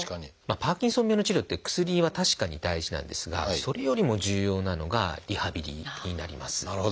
パーキンソン病の治療って薬は確かに大事なんですがそれよりも重要なのがリハビリになります。